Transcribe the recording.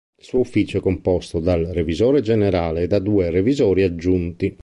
Il suo ufficio è composto dal revisore generale e da due revisori aggiunti.